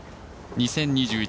２０２１